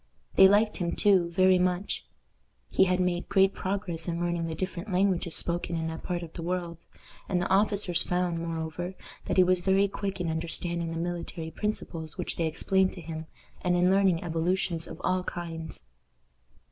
They liked him, too, very much. He had made great progress in learning the different languages spoken in that part of the world, and the officers found, moreover, that he was very quick in understanding the military principles which they explained to him, and in learning evolutions of all kinds.